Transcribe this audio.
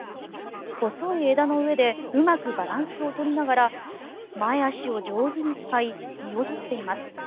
細い枝の上でうまくバランスを取りながら前足を上手に使い実を取っています。